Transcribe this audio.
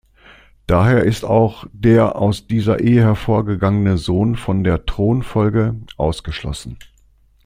Daher ist auch der aus dieser Ehe hervorgegangene Sohn von der „Thronfolge“ ausgeschlossen.